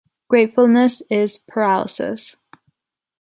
Gratefulness is paralysis.